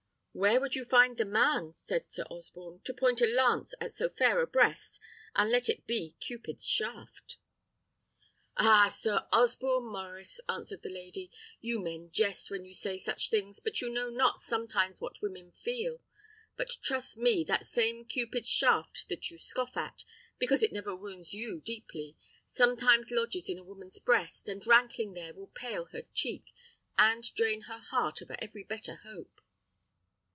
"Where would you find the man," said Sir Osborne, "to point a lance at so fair a breast, unless it be Cupid's shaft?" "Ah, Sir Osborne Maurice!" answered the lady, "you men jest when you say such things; but you know not sometimes what women feel. But trust me that same Cupid's shaft that you scoff at, because it never wounds you deeply, sometimes lodges in a woman's breast, and rankling there will pale her cheek, and drain her heart of every better hope."